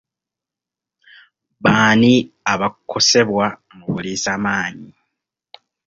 Baani abakosebwa mu buliisamaanyi.